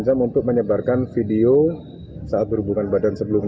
setelah menolak ajakan berhubungan intim